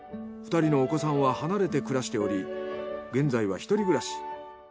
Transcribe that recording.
２人のお子さんは離れて暮らしており現在は一人暮らし。